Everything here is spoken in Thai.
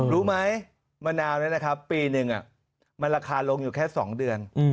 รู้ไหมมะนาวนะครับวันนี้ปีนึงราคาลงอยู่แค่๒เดือน